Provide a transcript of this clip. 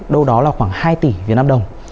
đâu đó là khoảng hai tỷ việt nam đồng